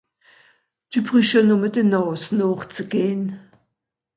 Dü brüsch jo nùmme de Nààs nooch ze gehn.